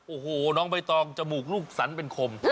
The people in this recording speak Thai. โอ้โหน้องใบตองจมูกลูกสันเป็นคม